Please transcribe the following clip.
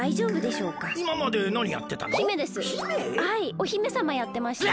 お姫さまやってました。